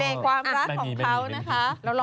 ความรักของเขานะคะ